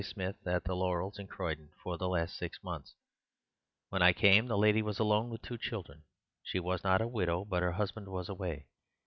Smith at 'The Laurels' in Croydon for the last six months. When I came the lady was alone, with two children; she was not a widow, but her husband was away.